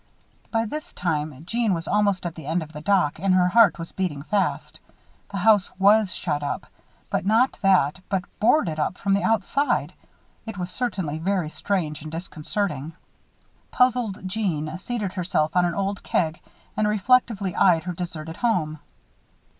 By this time, Jeanne was almost at the end of the dock and her heart was beating fast. The house was shut up; not only that but boarded up, from the outside. It was certainly very strange and disconcerting. Puzzled Jeanne seated herself on an old keg and reflectively eyed her deserted home.